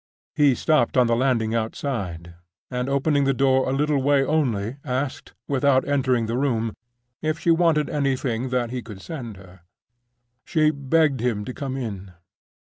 He stopped on the landing outside, and, opening the door a little way only, asked, without entering the room, if she wanted anything that he could send her. She begged him to come in.